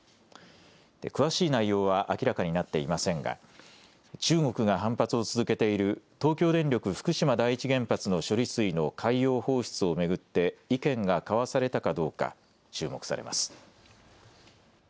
詳しい内容は明らかになっていませんが中国が反発を続けている東京電力福島第一原発の処理水の海洋放出を巡って意見が交わされたかどうか注目されます。